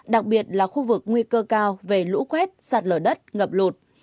đặc biệt là khu vực nguy cơ cao về lũ quét sạt lở đất ngập lụt